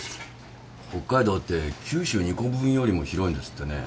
北海道って九州２個分よりも広いんですってね。